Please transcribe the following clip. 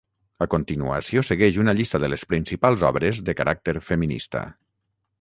A continuació segueix una llista de les principals obres de caràcter feminista.